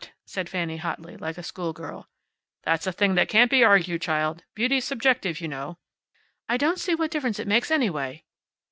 said Fanny hotly, like a school girl. "That's a thing that can't be argued, child. Beauty's subjective, you know." "I don't see what difference it makes, anyway."